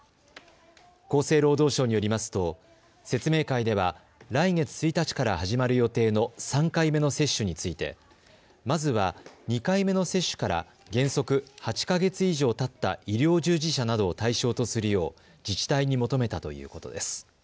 厚生労働省によりますと説明会では来月１日から始まる予定の３回目の接種についてまずは２回目の接種から原則８か月以上たった医療従事者などを対象とするよう自治体に求めたということです。